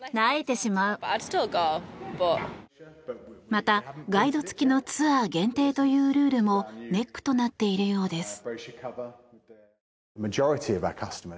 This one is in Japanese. また、ガイド付きのツアー限定というルールもネックとなっているようです。